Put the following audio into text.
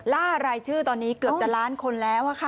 ล่ารายชื่อตอนนี้เกือบจะล้านคนแล้วค่ะ